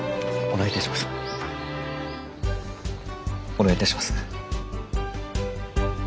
お願いいたします。